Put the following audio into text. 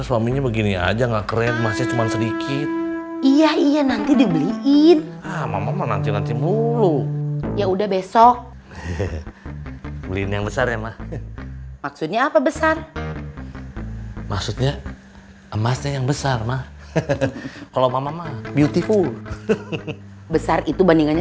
sampai jumpa di video selanjutnya